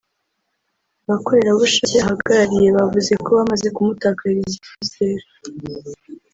abakorerabushake ahagarariye bavuze ko bamaze kumutakariza ikizere